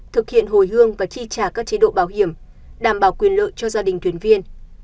thực hiện hồi hương và chi trả các chế độ bảo hiểm đảm bảo quyền lợi cho gia đình thuyền viên